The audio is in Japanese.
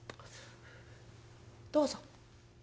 「どうぞ」。